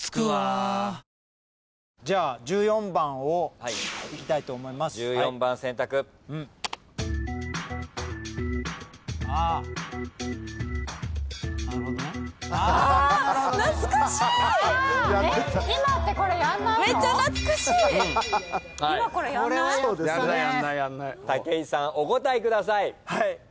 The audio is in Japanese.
はい。